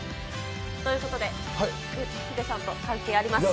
ということで、ヒデさんと関係あります。